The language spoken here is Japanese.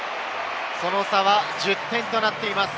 その差は１０点となっています。